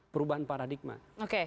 perubahan paradigma oke